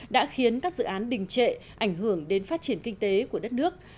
đã khiến các dự án đình trệ ảnh hưởng đến phát triển kinh tế của đất nước